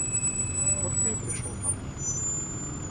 Вот ты и пришел ко мне.